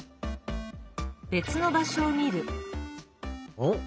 おっ？